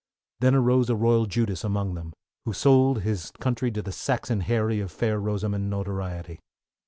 Then arose a Royal Judas among them, who sold his country to the Saxon Harry of Fair Rosamond notoriety.